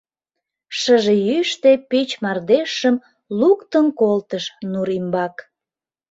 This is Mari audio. Шыже йӱштӧ пич мардежшым луктын колтыш нур ӱмбак.